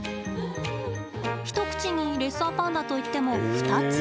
一口にレッサーパンダといっても２つ。